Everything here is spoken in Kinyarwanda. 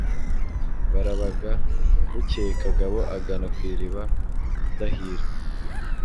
barabaga, bukeye kagabo agana ku iriba kudahira